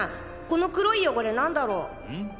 この黒い汚れなんだろう？ん？